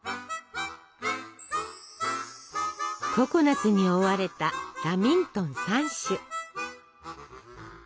ココナツに覆われたラミントン３種。